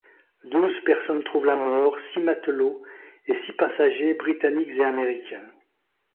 Douze personnes trouvent la mort, six matelots et six passagers britanniques et américains.